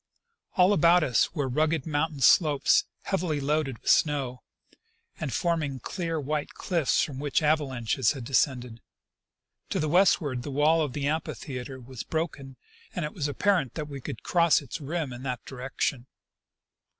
All about us were rugged mountain slopes, heavily loaded with snow, and forming clear white cliffs from which avalanches had de scended. To the westward the wall of the amphitheatre was broken, and it was apparent that we could cross its rim in that di rection.